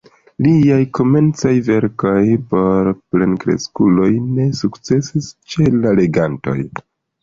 Liaj komencaj verkoj por plenkreskuloj ne sukcesis ĉe la legantoj.